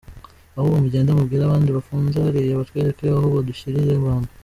Ahubwo mugende mubwire abandi bafunze hariya batwereke aho badushyiriye abantu.